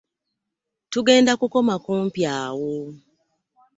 Tugenda kukoma kumpi awo.